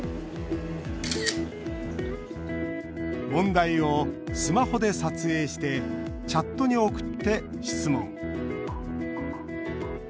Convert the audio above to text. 問題をスマホで撮影してチャットに送って質問。